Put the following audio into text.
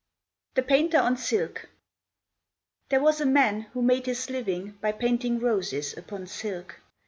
The Painter on Silk There was a man Who made his living By painting roses Upon silk.